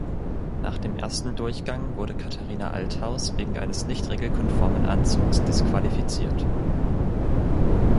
Nach dem ersten Durchgang wurde Katharina Althaus wegen eines nicht regelkonformen Anzugs disqualifiziert.